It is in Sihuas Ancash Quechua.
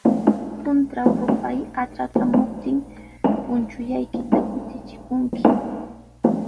Puntraw rupay atratraamuptin, punchullaykita kutichikunki.